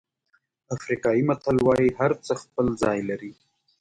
افریقایي متل وایي هرڅه خپل ځای لري.